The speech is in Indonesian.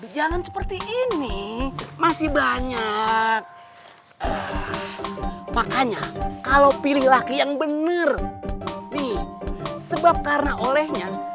jangan seperti ini masih banyak makanya kalau pilih laki yang bener nih sebab karena olehnya